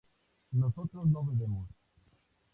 nosotros no bebemos